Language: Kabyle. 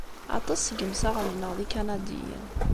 Aṭas seg yimsaɣen-nneɣ d Ikanadiyen.